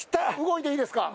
動いていいですか？